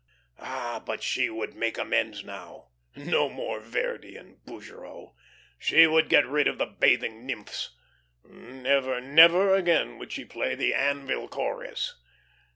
Ah, but she would make amends now. No more Verdi and Bougereau. She would get rid of the "Bathing Nymphs." Never, never again would she play the "Anvil Chorus."